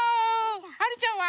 はるちゃんは？